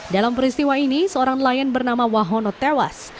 dalam peristiwa ini seorang nelayan bernama wahono tewas